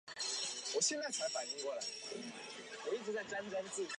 总裁为陶庆荣。